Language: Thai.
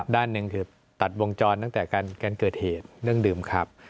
ด้านหนึ่งคือตัดวงจรตั้งแต่การเกิดเหตุเรื่องดื่มขับ